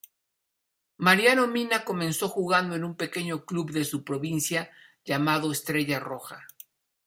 Mariano Mina comenzó jugando en un pequeño club de su provincia llamado Estrella Roja.